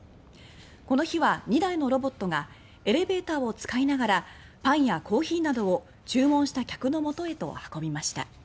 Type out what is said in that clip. この日は２台のロボットがエレベーターを使いながらパンやコーヒーなどを注文した客のもとへと運びました。